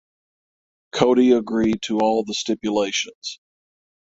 Cody agreed to all the stipulations.